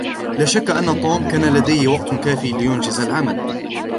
لا شك أن توم كان لديه وقت كاف لينجز العمل.